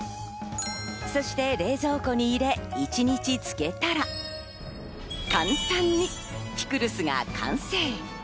そして冷凍庫に入れ、一日つけたら簡単にピクルスが完成。